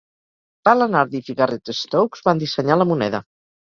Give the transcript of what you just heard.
Alan Ardiff i Garrett Stokes van dissenyar la moneda.